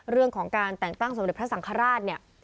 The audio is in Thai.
เรื่องของการแต่งตั้งสมเด็จพระสังฆราชเนี่ย